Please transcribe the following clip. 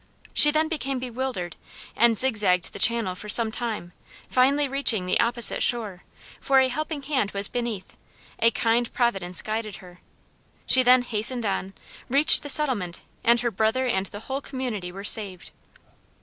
She then became bewildered, and zigzagged the channel for some time, finally reaching the opposite shore, for a helping hand was beneath, a kind Providence guided her. She then hastened on, reached the settlement, and her brother and the whole community were saved.